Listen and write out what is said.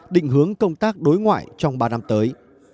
định hướng công tác đối ngoại trong ba năm tới